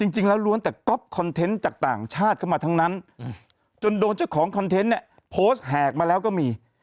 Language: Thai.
จริงแล้วล้วนแต่ก๊อปคอนเทนต์จากต่างชาติเข้ามาทั้งนั้นจนโดนเจ้าของคอนเทนต์เนี่ยโพสต์แหกมาแล้วก็มี